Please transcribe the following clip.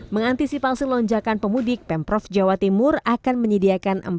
mengantisipasi lonjakan pemudik pemprov jawa timur akan menyediakan